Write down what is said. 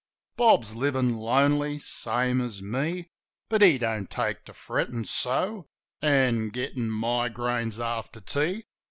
Bob's livin' lonely, same as me; But he don't take to frettin' so An' gettin' megrims after tea.